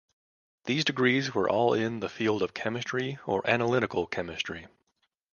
These degrees were all in the field of chemistry or analytical chemistry.